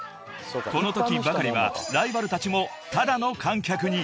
［このときばかりはライバルたちもただの観客に］